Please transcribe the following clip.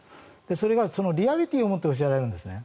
それがリアリティーを持って教えられるんですね。